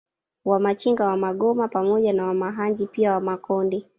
Wamachinga na Wamagoma pamoja na Wamahanji pia Wamakonde